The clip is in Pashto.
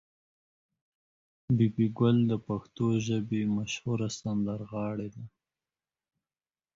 بي بي ګل د پښتو ژبې مشهوره سندرغاړې ده.